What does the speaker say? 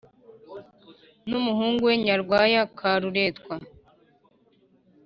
N umuhungu we nyarwaya karuretwa